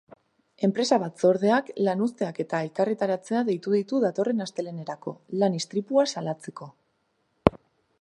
Enpresa-batzordeak lanuzteak eta elkarretaratzea deitu ditu datorren astelehenerako, lan-istripua salatzeko.